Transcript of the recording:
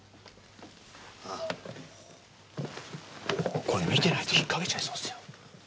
おおこれ見てないと引っかけちゃいそうですよ。